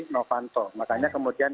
novanto makanya kemudian